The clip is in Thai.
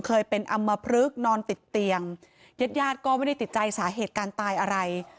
เคยเป็นอำมพลึกนอนติดเตียงญาติญาติก็ไม่ได้ติดใจสาเหตุการตายอะไร